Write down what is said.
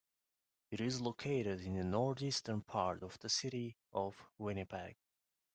It is located in the northeastern part of the city of Winnipeg.